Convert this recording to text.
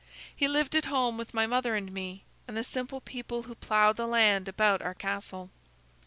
He lived at home with my mother and me, and the simple people who plowed the land about our castle.